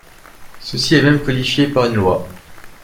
Ceci est même codifié par une loi.